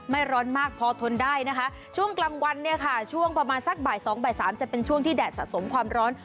ร้อนมากพอทนได้นะคะช่วงกลางวันเนี่ยค่ะช่วงประมาณสักบ่ายสองบ่ายสามจะเป็นช่วงที่แดดสะสมความร้อน